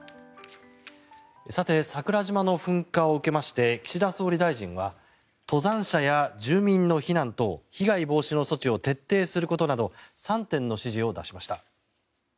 さて桜島の噴火を受けまして岸田総理大臣は登山者や住民の避難等被害防止の措置を徹底することなど３点の指示を出しました。